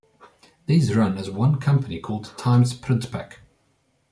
These run as one company called "TimesPrintpak".